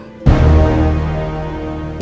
jadi catherine ini berorang orang